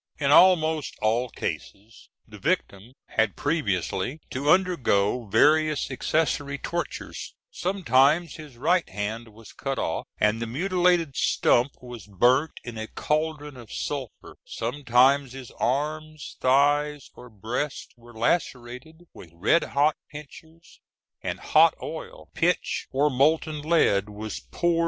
In almost all cases, the victim had previously to undergo various accessory tortures: sometimes his right hand was cut off, and the mutilated stump was burnt in a cauldron of sulphur; sometimes his arms, thighs, or breasts were lacerated with red hot pincers, and hot oil, pitch, or molten lead was poured into the wounds.